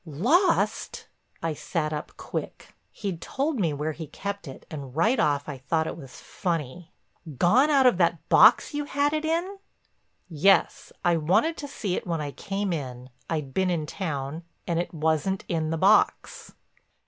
"Lost!" I sat up quick. He'd told me where he kept it and right off I thought it was funny. "Gone out of that box you had it in?" "Yes. I wanted to see it when I came in—I'd been in town—and it wasn't in the box."